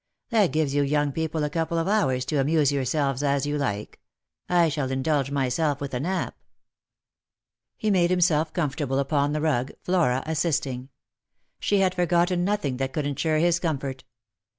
That gives you young people a couple of hours to amuse yourselves as you like. I shall indulge myself with a nap." He made himself comfortable upon the rug, Flora assisting. She had forgotten nothing that could insure his comfort.